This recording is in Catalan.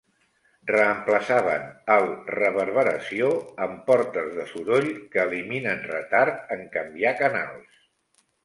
Reemplaçaven el reverberació amb portes de soroll que eliminen retard en canviar canals.